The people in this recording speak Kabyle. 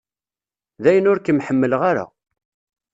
Dayen ur kem-ḥemmleɣ ara.